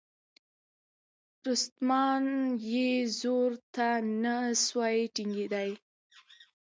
رستمان یې زور ته نه سوای ټینګېدلای